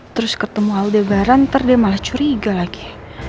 terus ketemu aldebaran ntar dia malah curiga lagi